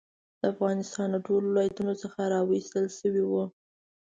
د افغانستان له ټولو ولایتونو څخه راوستل شوي وو.